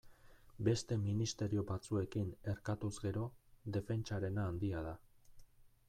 Beste ministerio batzuekin erkatuz gero, defentsarena handia da.